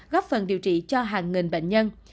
góp phần điều trị cho hàng nghìn bệnh nhân